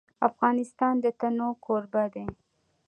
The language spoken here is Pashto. افغانستان د تنوع کوربه دی.